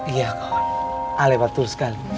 iya kawan alepat tuh sekali